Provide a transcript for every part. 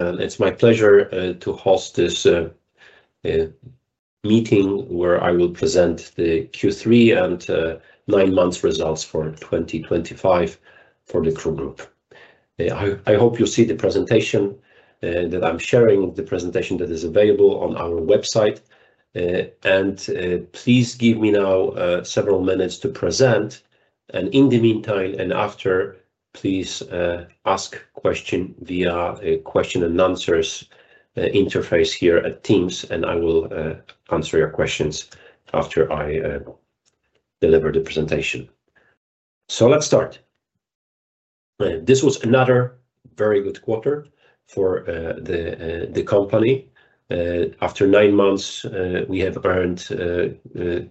It's my pleasure to host this meeting where I will present the Q3 and 9 months results for 2025 for the KRUK Group. I hope you see the presentation that I'm sharing, the presentation that is available on our website. Please give me now several minutes to present. In the meantime and after, please ask questions via the question and answers interface here at Teams and I will answer your questions after I deliver the presentation. Let's start. This was another very good quarter for the company. After nine months, we have earned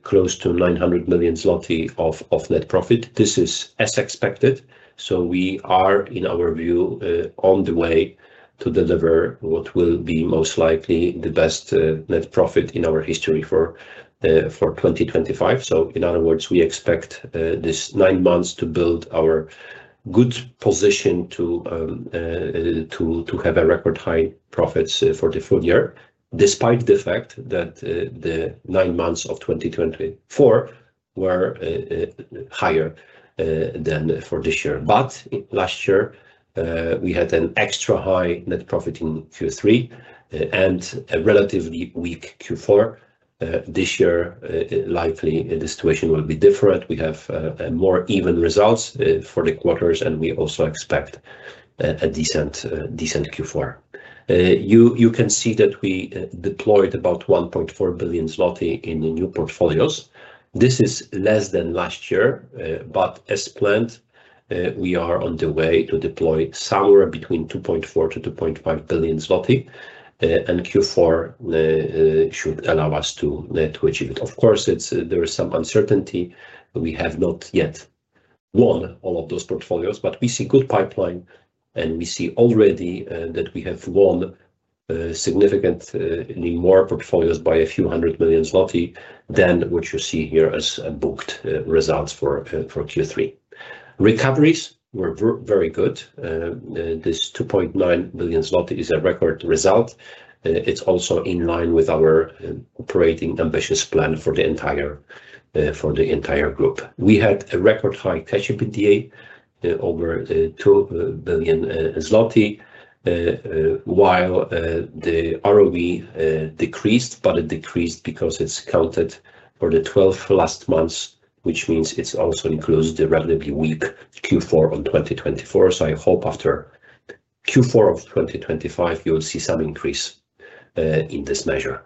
close to 900 million zloty of net profit. This is as expected. We are, in our view, on the way to deliver what will be most likely the best net profit in our history for 2025. In other words, we expect this nine months to build our good position to have record high profits for the full year, despite the fact that the nine months of 2024 were higher than for this year. Last year we had an extra high net profit in Q3 and a relatively weak Q4. This year, likely the situation will be different. We have more even results for the quarters and we also expect a decent Q4. You can see that we deployed about 1.4 billion zloty in new portfolios. This is less than last year, but as planned, we are on the way to deploy somewhere between 2.4-2.5 billion zloty and Q4 should allow us to achieve it. Of course, there is some uncertainty. We have not yet won all of those portfolios. We see good pipeline and we see already that we have won significantly more portfolios by a few hundred million złoty than what you see here as booked results for Q3. Recoveries were very good. This 2.9 billion zloty is a record result. It's also in line with our operating ambitious plan for the entire group. We had a record high cash EBITDA over 2 billion zloty while the ROE decreased. It decreased because it's counted for the last 12 months, which means it also includes the relatively weak Q4 of 2024. I hope after Q4 of 2025 you will see some increase in this measure.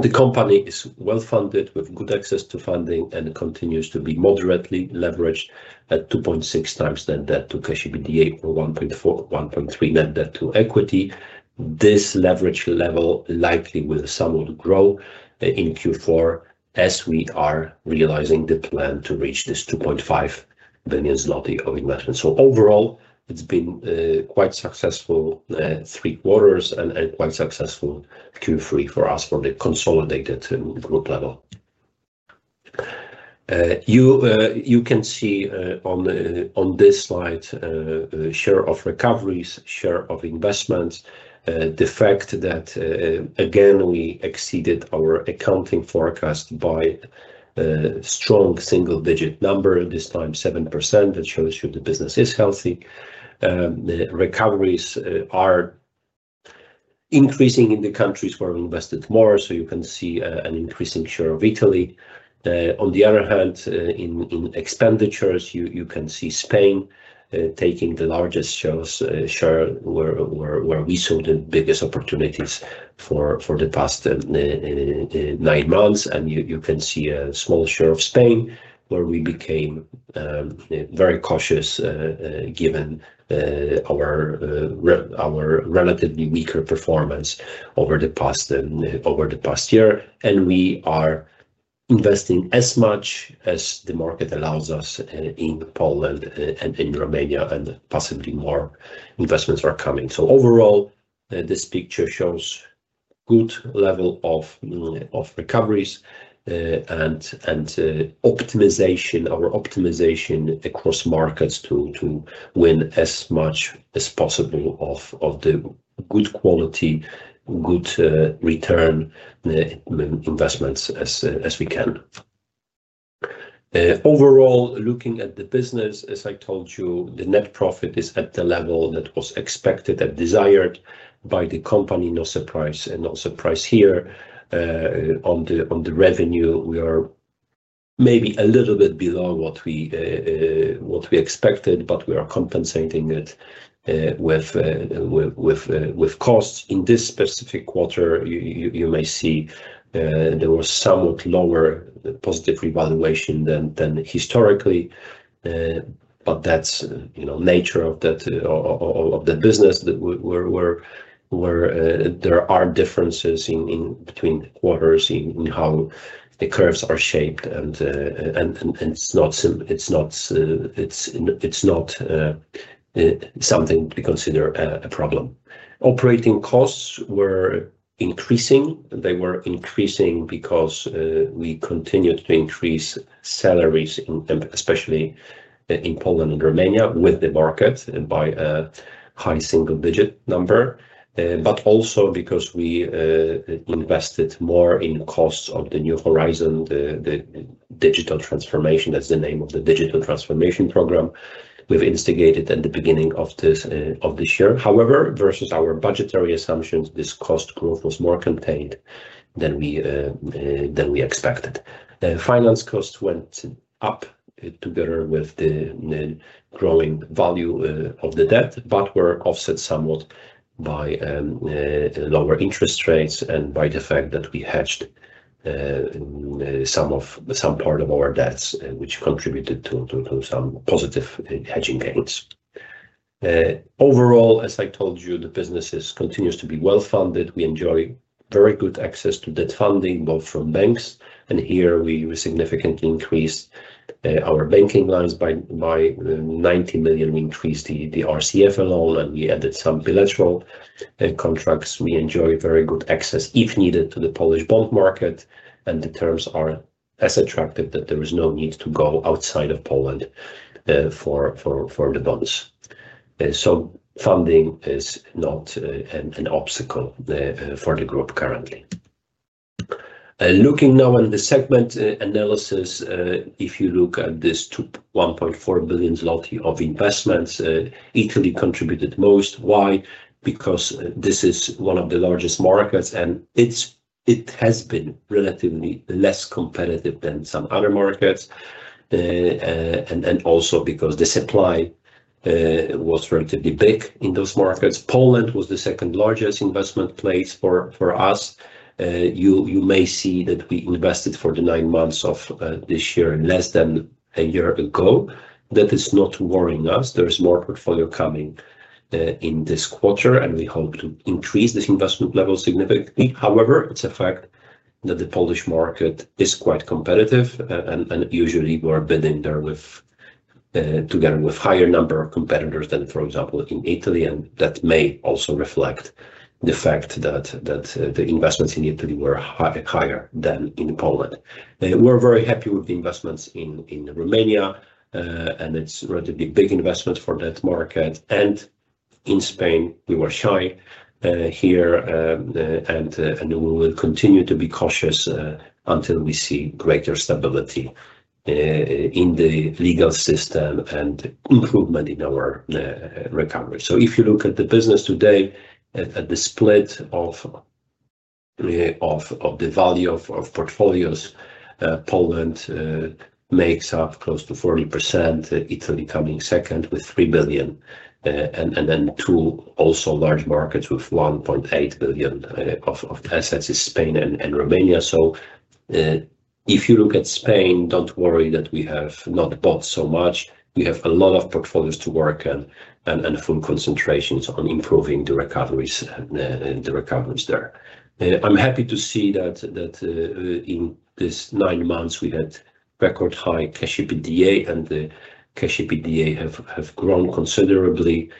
The company is well funded, with good access to funding and continues to be moderately leveraged at 2.6x net debt to cash EBITDA or 1.4–1.3 net debt to equity. This leverage level likely will somewhat grow in Q4 as we are realizing the plan to reach this 2.5 billion zloty of investment. Overall, it's been quite successful three quarters and quite successful Q3 for us. From the consolidated group level, you can see on this slide share of recoveries, share of investments. The fact that again we exceeded our accounting forecast by a strong single digit number, this time 7%. That shows you the business is healthy. The recoveries are increasing in the countries where we invested more. You can see an increasing share of Italy. On the other hand, in expenditures, you can see Spain taking the largest share where we saw the biggest opportunities for the past nine months. You can see a small share of Spain where we became very cautious given our relatively weaker performance over the past year. We are investing as much as the market allows us in Poland and in Romania, and possibly more investments are coming. Overall, this picture shows good level of recoveries and optimization across markets to win as much as possible of the good quality, good return investments as we can. Overall, looking at the business, as I told you, the net profit is at the level that was expected and desired by the company. No surprise and no surprise here on the revenue. We are maybe a little bit below what we expected, but we are compensating it with costs. In this specific quarter, you may see there was somewhat lower positive revaluation than historically. That's the nature of the business where there are differences between quarters in how the curves are shaped. It's not something to consider a problem. Operating costs were increasing. They were increasing because we continued to increase salaries, especially in Poland and Romania, with the market by a high single digit number, but also because we invested more in costs of the New Horizon, the digital transformation. That's the name of the digital transformation program we've instigated at the beginning of this year. However, versus our budgetary assumptions, this cost growth was more contained than we expected. Finance costs went up together with the growing value of the debt but were offset somewhat by lower interest rates and by the fact that we hedged some part of our debts, which contributed to some positive hedging gains. Overall, as I told you, the business continues to be well funded. We enjoy very good access to debt funding both from banks, and here we significantly increased our banking lines by 90 million. We increased the RCF alone and we added some bilateral contracts. We enjoy very good access if needed to the Polish bond market. The terms are as attractive that there is no need to go outside of Poland for the bonds. Funding is not an obstacle for the group currently. Looking now on the segment analysis, if you look at this 1.4 billion zloty of investments, Italy contributed most. Why? Because this is one of the largest markets and it has been relatively less competitive than some other markets and also because the supply was relatively big in those markets. Poland was the second largest investment place for us. You may see that we invested for the nine months of this year less than a year ago. That is not worrying us. There is more portfolio coming in this quarter and we hope to increase this investment level significantly. However, it's a fact that the Polish market is quite competitive and usually we're bidding there together with a higher number of competitors than for example in Italy. That may also reflect the fact that the investments in Italy were higher than in Poland. We're very happy with the investments in Romania and it's a relatively big investment for that market. In Spain we were shy here and we will continue to be cautious until we see greater stability in the legal system and improvement in our recovery. If you look at the business today, at the split of the value of portfolios, Poland makes up close to 40%, Italy coming second with 3 billion and then two also large markets with 1.8 billion of assets in Spain and Romania. If you look at Spain, don't worry that we have not bought so much. We have a lot of portfolios to work and full concentrations on improving the recoveries there. I'm happy to see that in this nine months we had record high cash EBITDA and the cash EBITDA have grown considerably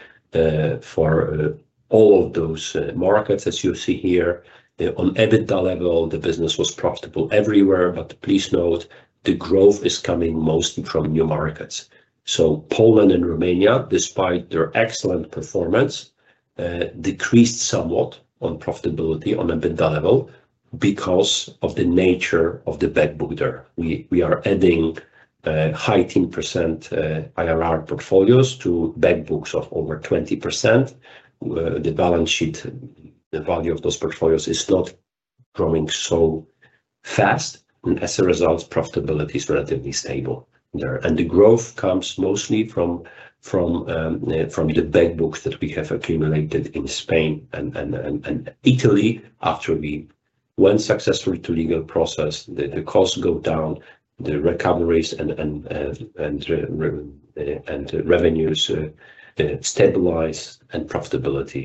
for all of those markets. As you see here on EBITDA level the business was profitable everywhere. Please note, the growth is coming mostly from new markets. Poland and Romania, despite their excellent performance, decreased somewhat on profitability on a bit level because of the nature of the back book there. We are adding high-teen percent IRR portfolios to back books of over 20%. The balance sheet, the value of those portfolios is not growing so fast and as a result profitability is relatively stable there. The growth comes mostly from the back books that we have accumulated in Spain and Italy. After we went successful to legal process, the costs go down, the recoveries and revenues stabilize and profitability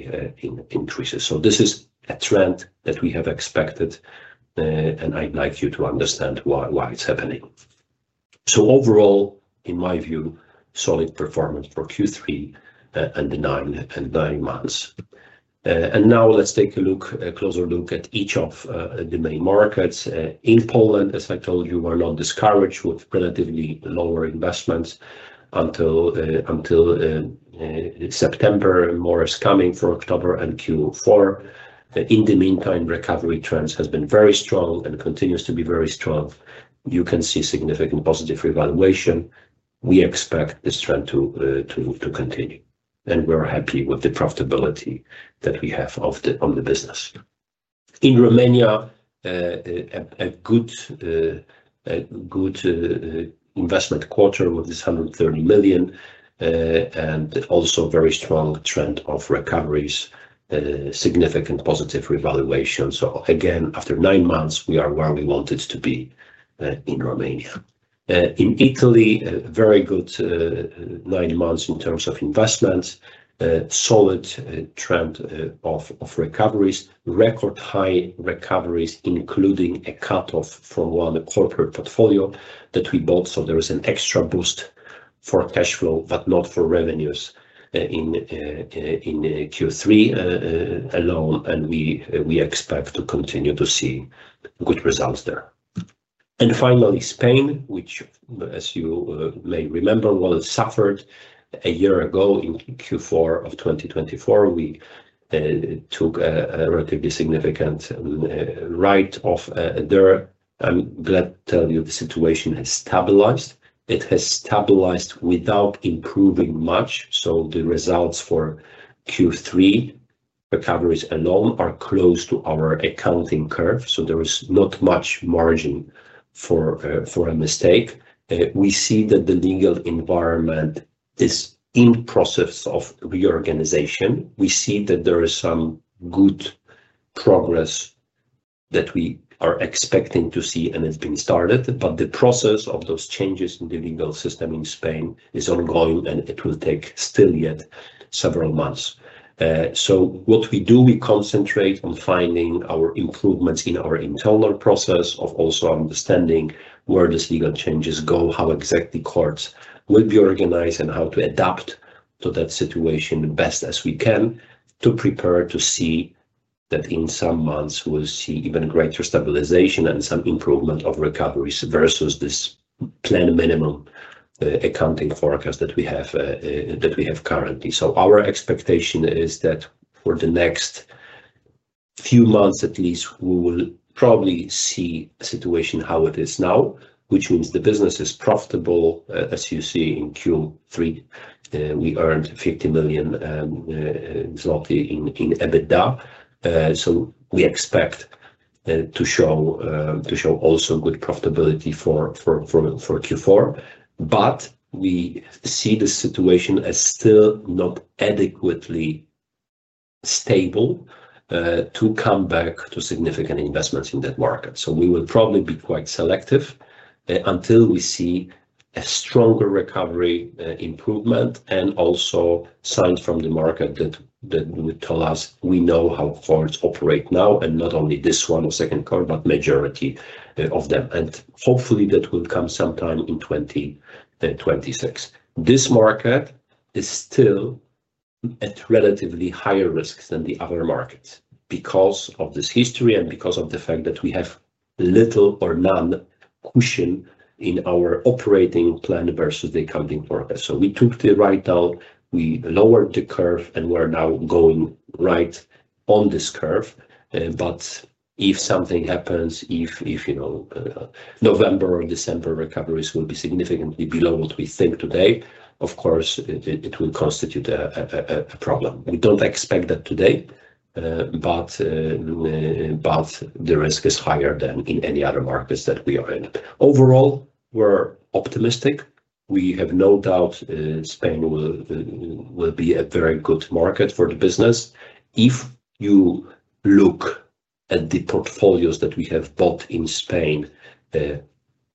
increases. This is a trend that we have expected and I'd like you to understand why it's happening. Overall in my view, solid performance for Q3 and the nine months. Now let's take a closer look at each of the main markets. In Poland, as I told you, we're not discouraged with relatively lower investments until September. More is coming for October and Q4. In the meantime, recovery trends have been very strong and continue to be very strong. You can see significant positive revaluation. We expect this trend to continue and we're happy with the profitability that we have on the business. In Romania, a good investment quarter with this 130 million and also very strong trend of recoveries, significant positive revaluation. Again, after nine months we are where we wanted to be in Romania. In Italy, very good nine months in terms of investments, solid trend of recoveries, record high recoveries, including a cutoff from one corporate portfolio that we bought. There is an extra boost for cash flow but not for revenues in Q3 alone. We expect to continue to see good results there. Finally, Spain, which as you may remember suffered a year ago in Q4 of 2023, we took a relatively significant write-down there. I'm glad to tell you the situation has stabilized. It has stabilized without improving much. The results for Q3 recoveries alone are close to our accounting curve. There is not much margin for a mistake. We see that the legal environment is in process of reorganization. We see that there is some good progress that we are expecting to see and it's been started. The process of those changes in the legal system in Spain is ongoing and it will take still yet several months. What we do, we concentrate on finding our improvements in our internal process of also understanding where these legal changes go, how exactly courts will be organized and how to adapt to that situation the best as we can to prepare to see that in some months we'll see even greater stabilization and some improvement of recoveries versus this plan minimum accounting forecast that we have currently. Our expectation is that for the next few months at least we will probably see a situation how it is now, which means the business is profitable. As you see in Q3, we earned 50 million zloty in EBITDA. We expect to show also good profitability for Q4. We see the situation as still not adequately stable to come back to significant investments in that market. We will probably be quite selective until we see a stronger recovery, improvement, and also signs from the market that would tell us we know how cards operate now, and not only this one or second card, but majority of them. Hopefully that will come sometime in 2026. This market is still at relatively higher risk than the other markets because of this history and because of the fact that we have little or none cushion in our operating plan versus the accounting forecast. We took the write-down, we lowered the curve, and we're now going right on this curve. If something happens, if November or December recoveries will be significantly below what we think today, of course it will constitute a problem. We don't expect that today, but the risk is higher than in any other markets that we are in. Overall, we're optimistic. We have no doubt Spain will be a very good market for the business. If you look at the portfolios that we have bought in Spain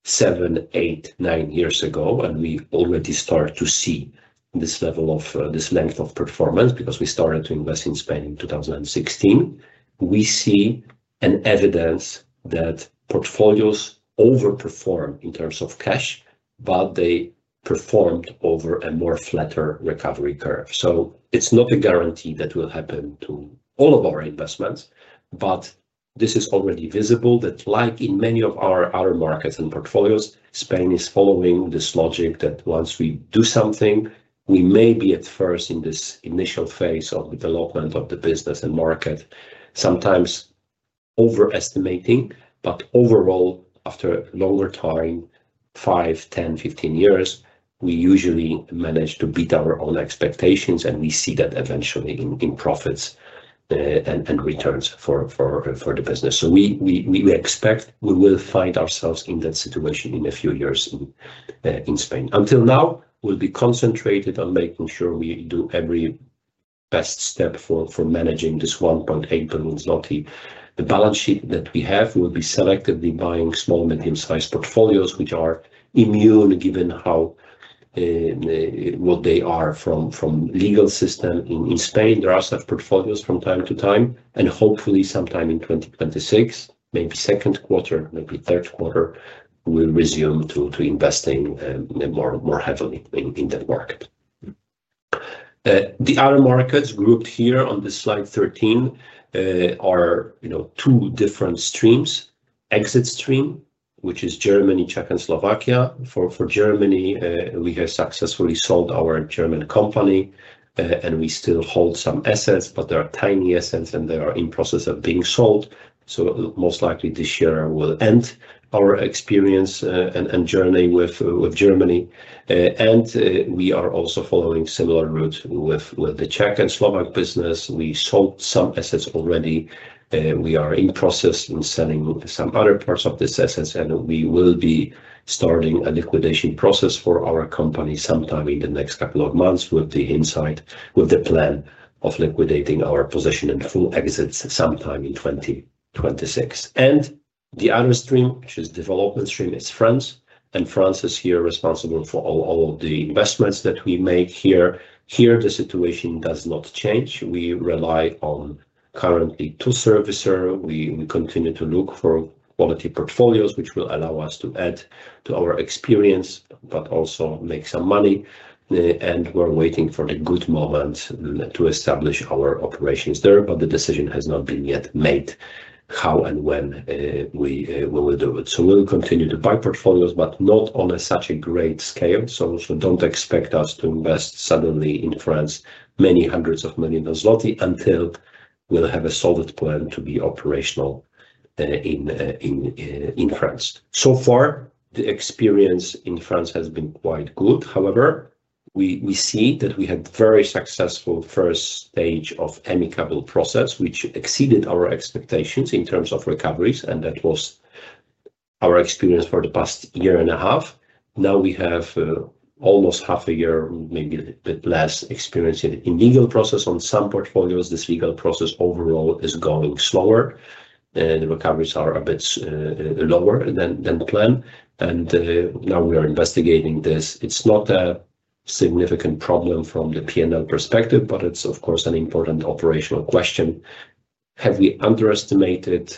seven, eight, nine years ago, and we already start to see this level of this length of performance because we started to invest in Spain in 2016, we see an evidence that portfolios overperform in terms of cash, but they performed over a more flatter recovery curve. It's not a guarantee that will happen to all of our investments, but this is already visible that like in many of our other markets and portfolios, Spain is following this logic that once we do something, we may be at first in this initial phase of the development of the business and market, sometimes overestimating, but overall after a longer time, five, 10, 15 years, we usually manage to beat our own expectations. We see that eventually in profits and returns for the business. We expect we will find ourselves in that situation in a few years in Spain. Until now, we'll be concentrated on making sure we do every best step for managing this 1.8 billion zloty, the balance sheet that we have. We will be selectively buying small, medium-sized portfolios which are immune, given how what they are from legal system in Spain. There are such portfolios from time to time, and hopefully sometime in 2026, maybe second quarter, maybe third quarter, we'll resume to investing more heavily in that market. The other markets grouped here on this Slide 13 are, you know, two different streams. Exit stream, which is Germany, Czech, and Slovakia. For Germany, we have successfully sold our German company and we still hold some assets, but they are tiny assets and they are in process of being sold. Most likely this year will end our experience and journey with Germany. We are also following a similar route for the Czech and Slovak business. We sold some assets already. We are in process of selling some other parts of these assets and we will be starting a liquidation process for our company sometime in the next couple of months with the plan of liquidating our position and full exit sometime in 2026. The other stream, which is development stream, is France, and France is here responsible for all of the investments that we make here. Here the situation does not change. We are currently the servicer. We continue to look for quality portfolios which will allow us to add to our experience but also make some money. We are waiting for the good moment to establish our operations there. The decision has not yet been made how and when we will do it. We will continue to buy portfolios but not on such a great scale. Do not expect us to invest suddenly in France many hundreds of million of złoty until we have a solid plan to be operational in France. So far the experience in France has been quite good. We see that we had a very successful first stage of amicable process which exceeded our expectations in terms of recoveries. That was our experience for the past year and a half. Now we have almost half a year, maybe a little bit less, experience in legal process on some portfolios. This legal process overall is going slower. The recoveries are a bit lower than planned and now we are investigating this. It is not a significant problem from the P&L perspective, but it is, of course, an important operational question. Have we underestimated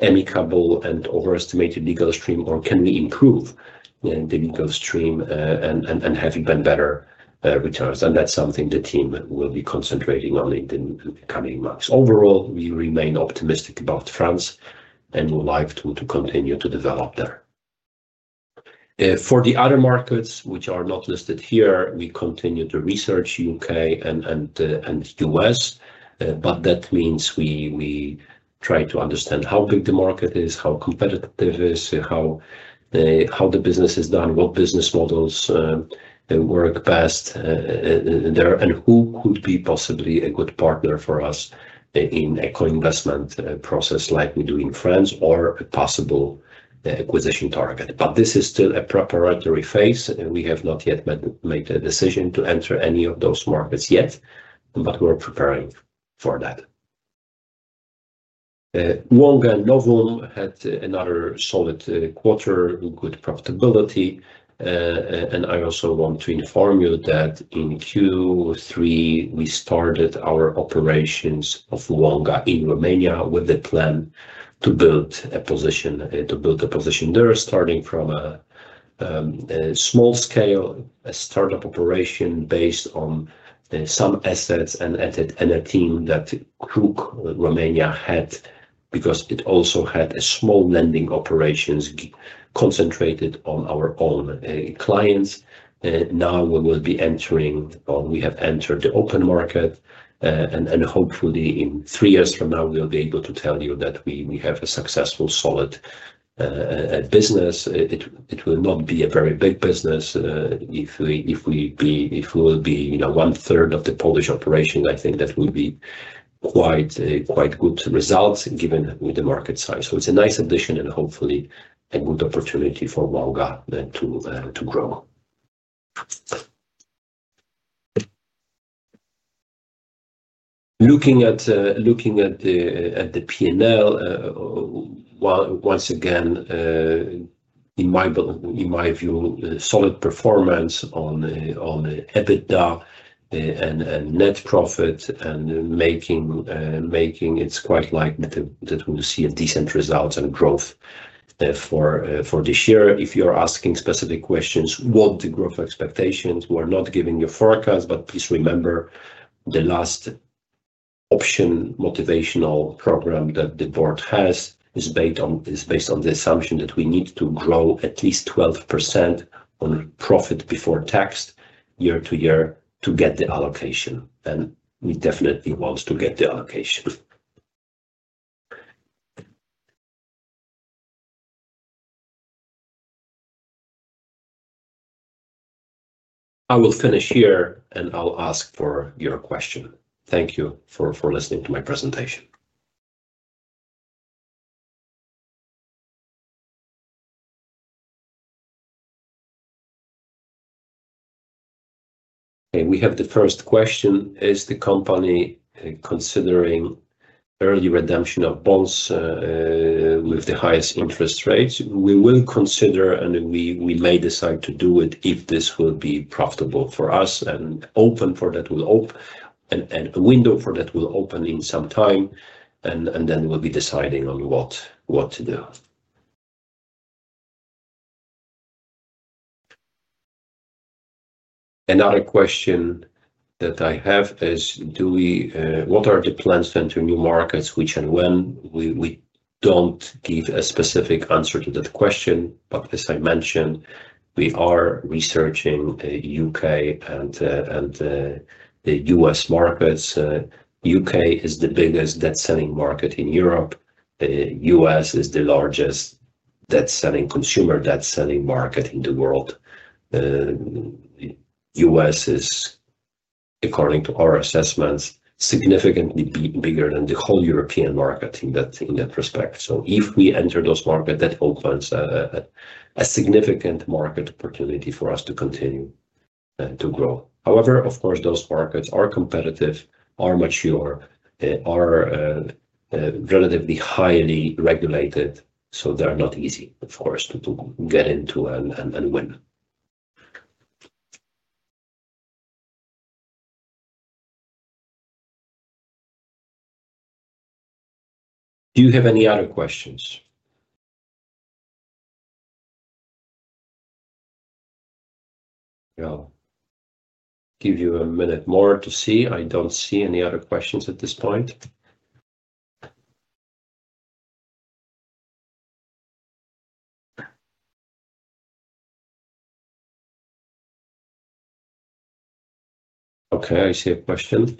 amicable and overestimated legal stream or can we improve the legal stream and have it bring better returns? That is something the team will be concentrating on in the coming months. Overall, we remain optimistic about France and would like to continue to develop there for the other markets which are not listed here. We continue to research U.K. and U.S., but that means we try to understand how big the market is, how competitive it is, how the business is done, what business models work best there, and who could be possibly a good partner for us in the co-investment process like we do in France or a possible acquisition target. This is still a preparatory phase and we have not yet made a decision to enter any of those markets yet. We're preparing for that. Wonga and Novum had another solid quarter, good profitability. I also want to inform you that in Q3 we started our operations of Wonga in Romania with the plan to build a position there, starting from a small scale, a startup operation based on some assets and anything that KRUK Romania had because it also had small lending operations concentrated on our own clients. Now we will be entering, or we have entered, the open market. Hopefully, in three years from now, we'll be able to tell you that we have a successful, solid business. It will not be a very big business. If we will be, you know, 1/3 of the Polish operation, I think that would be quite good results given the market size. It's a nice addition and hopefully a good opportunity for Wonga to grow. Looking at the P&L once again, in my view, solid performance on EBITDA and net profit, and it's quite likely that we will see a decent result and growth for this year. If you're asking specific questions about the growth expectations, we're not giving you a forecast, but please remember the last option motivational program that the board has is based on the assumption that we need to grow at least 12% on profit before tax year to year to get the allocation. We definitely want to get the allocation. I will finish here and I'll ask for your questions. Thank you for listening to my presentation. We have the first question. Is the company considering early redemption of bonds with the highest interest rates? We will consider and we may decide to do it if this will be profitable for us and a window for that will open in some time, and then we'll be deciding on what to do. Another question that I have is, what are the plans to enter new markets and when? We don't give a specific answer to that question, but as I mentioned, we are researching U.K. and the U.S. markets. U.K. is the biggest debt selling market in Europe. The U.S. is the largest debt selling consumer debt selling market in the world. U.S. is, according to our assessments, significantly bigger than the whole European market in that respect. If we enter those markets, that opens a significant market opportunity for us to continue to grow. However, of course, those markets are competitive, are mature, are relatively highly regulated. They are not easy for us to get into and win. Do you have any other questions? I'll give you a minute more to see. I don't see any other questions at this point. Okay, I see a question,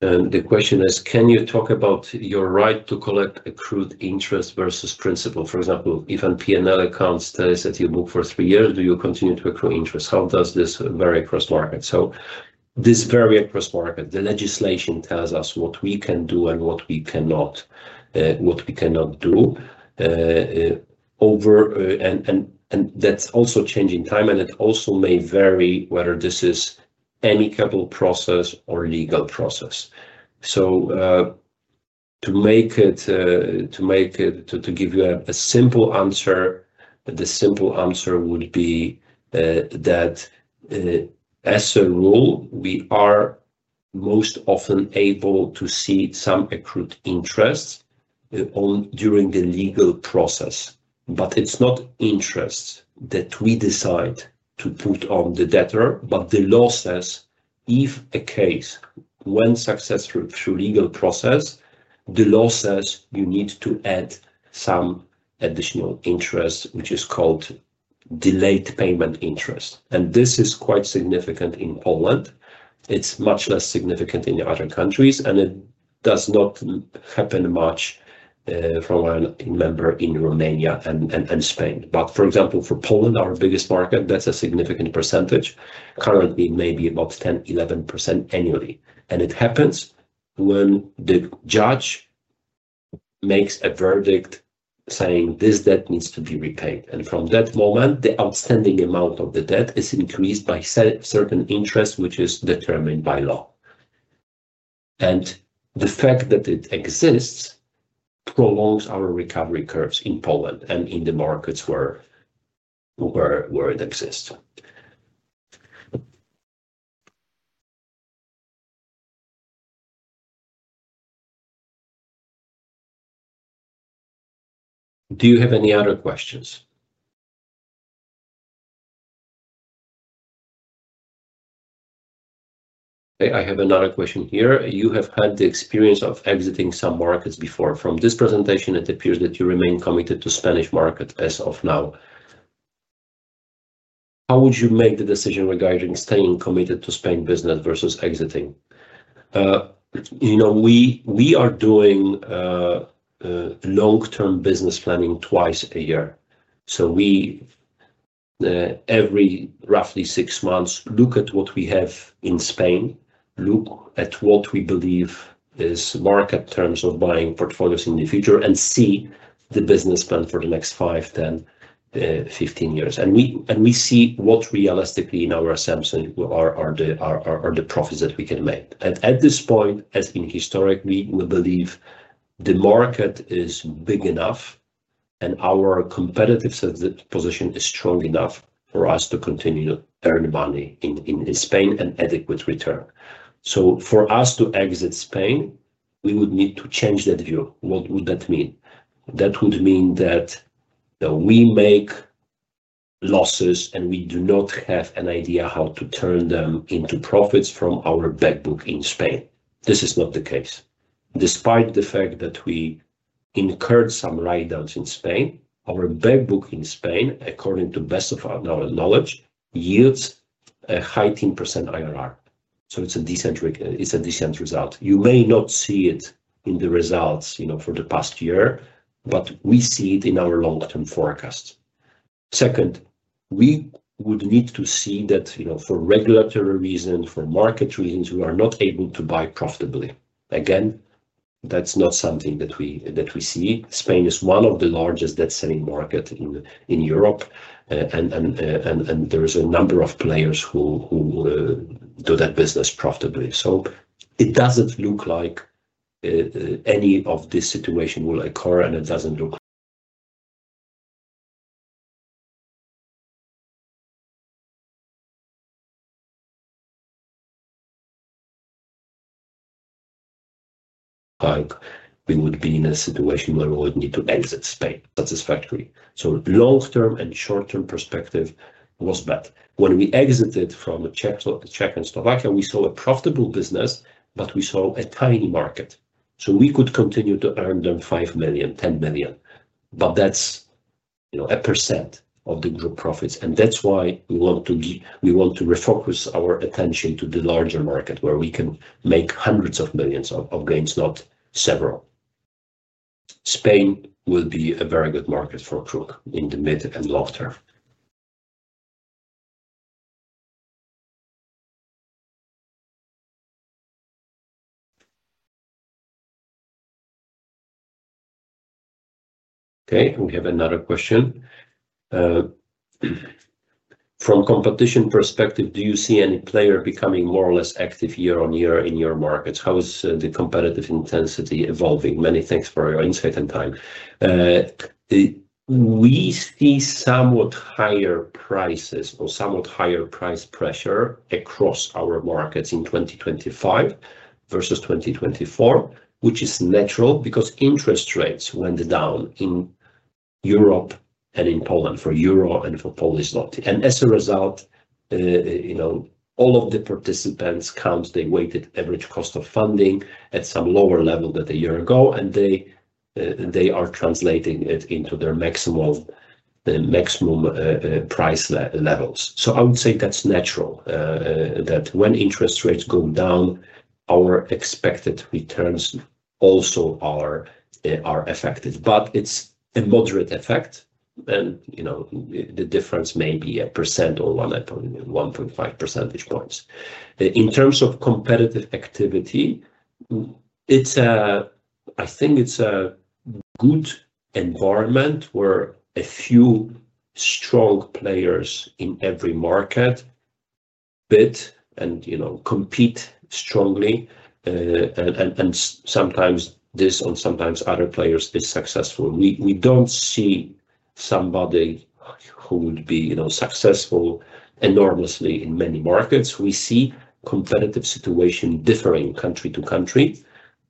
and the question is: can you talk about your right to collect accrued interest versus principal? For example, if a P&L account says that you book for three years, do you continue to accrue interest? How does this vary across market? This varies across market. The legislation tells us what we can do and what we cannot do, and that's also changing in time, and it also may vary whether this is an amicable process or legal process. To give you a simple answer, the simple answer would be that as a rule we are most often able to see some accrued interest during the legal process. It's not interest that we decide to put on the debtor, but the law says if a case went successfully through legal process, the law says you need to add some additional interest, which is called delayed payment interest. This is quite significant in Poland. It's much less significant in other countries, and it does not happen much, from my memory, in Romania and Spain. For example, for Poland, our biggest market, that's a significant percentage, currently maybe about 10%, 11% annually. It happens when the judge makes a verdict saying this debt needs to be repaid, and from that moment the outstanding amount of the debt is increased by certain interest, which is determined by law. The fact that it exists prolongs our recovery curves in Poland and in the markets where it exists. Do you have any other questions? I have another question here. You have had the experience of exiting some markets before. From this presentation, it appears that you remain committed to Spanish market as of now. How would you make the decision regarding staying committed to Spain, business versus exiting? We are doing long term business planning twice a year. We every roughly six months look at what we have in Spain, look at what we believe is market terms of buying portfolios in the future, and see the business plan for the next five, 10, 15 years. We see what realistically in our assumption are the profits that we can make at this point. As in historically, we believe the market is big enough and our competitive position is strong enough for us to continue to earn money in Spain and adequate return. For us to exit Spain, we would need to change that view. What would that mean? That would mean that we make losses and we do not have an idea how to turn them into profits from our back book in Spain. This is not the case. Despite the fact that we incurred some write-downs in Spain, our back book in Spain, according to best of our knowledge, yields a high-teen percent IRR. It's a decent result. You may not see it in the results for the past year, but we see it in our long-term forecast. Second, we would need to see that for regulatory reasons, for market reasons, we are not able to buy profitably. Again, that's not something that we see. Spain is one of the largest debt selling markets in Europe, and there is a number of players who do that business profitably. It doesn't look like any of this situation will occur, and it doesn't look like we would be in a situation where we would need to exit Spain satisfactorily. Long-term and short-term perspective was bad when we exited from Czech and Slovakia. We saw a profitable business, but we saw a tiny market, so we could continue to earn them 5 million, 10 million, but that's a percent of the group profits. That's why we want to refocus our attention to the larger market where we can make hundreds of millions of gains, not several. Spain will be a very good market for KRUK in the mid and long term. We have another question. From competition perspective, do you see any player becoming more or less active year on year in your markets? How is the competitive intensity evolving? Many thanks for your insight and time. We see somewhat higher prices or somewhat higher price pressure across our markets in 2025 versus 2024, which is natural because interest rates went down in Europe and in Poland for euro and for Polish złoty. As a result, all of the participants count their weighted average cost of funding at some lower level than a year ago, and they are translating it into their maximum price levels. I would say that's natural that when interest rates go down, our expected returns also are affected. It's a moderate effect and the difference may be a percent or 1.5 percentage points. In terms of competitive activity, I think it's a good environment where a few strong players in every market bid and compete strongly and sometimes this one, sometimes other players are successful. We don't see somebody who would be successful enormously. In many markets we see the competitive situation differing country to country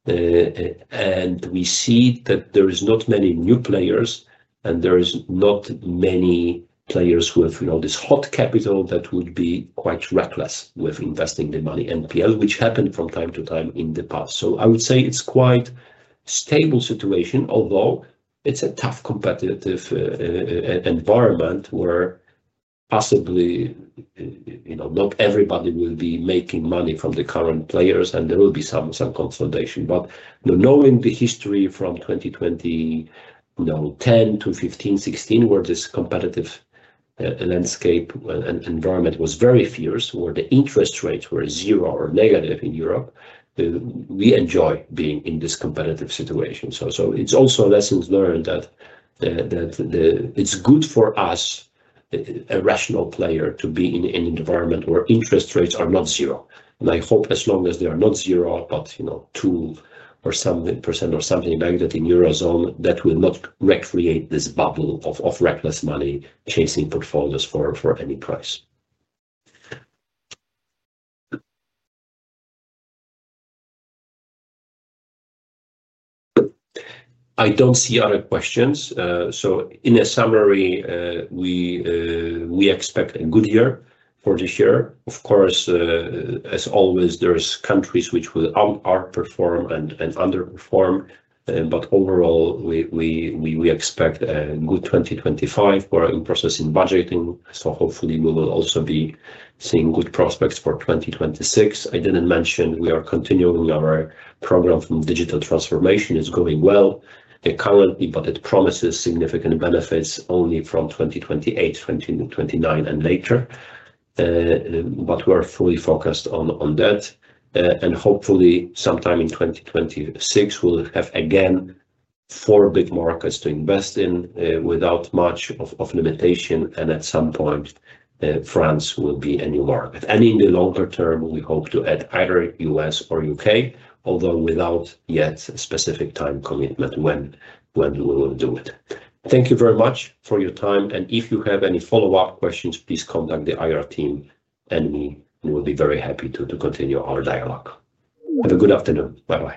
and we see that there are not many new players and there are not many players with this hot capital that would be quite reckless with investing the money in NPL, which happened from time to time in the past. I would say it's quite a stable situation, although it's a tough competitive environment where possibly not everybody will be making money from the current players and there will be some consolidation. Knowing the history from 2010 to 2015, 2016, where this competitive landscape environment was very fierce, where the interest rates were zero or negative in Europe, we enjoy being in this competitive situation. It's also lessons learned that it's good for us, a rational player, to be in an environment where interest rates are not zero. I hope as long as they are not zero, but 2% or something like that in Eurozone, that will not recreate this bubble of reckless money chasing portfolios for any price. I don't see other questions. In summary, we expect a good year for this year. Of course, as always, there are countries which will outperform and underperform. Overall, we expect a good 2025 in process in budgeting. Hopefully, we will also be seeing good prospects for 2026. I didn't mention we are continuing our program from digital transformation. It is going well currently, but it promises significant benefits only from 2028, 2029 and later. We're fully focused on that and hopefully sometime in 2026 we'll have again four big markets to invest in without much of limitation. At some point France will be a new market and in the longer term we hope to add either U.S. or U.K., although without yet specific time commitment when we will do it. Thank you very much for your time and if you have any follow up questions, please contact the IR team and me and we'll be very happy to continue our dialogue. Have a good afternoon. Bye bye.